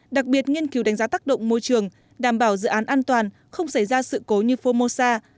đặc biệt nghiên cứu đánh giá tác động môi trường đảm bảo dự án an toàn không xảy ra sự cố như formosa